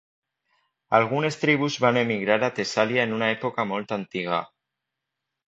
Algunes tribus van emigrar a Tessàlia en una època molt antiga.